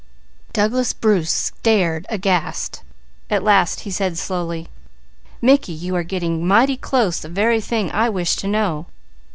Gee!" Douglas Bruce stared aghast. At last he said slowly: "Mickey, you are getting mighty close the very thing I wish to know.